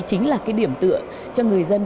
chính là cái điểm tựa cho người dân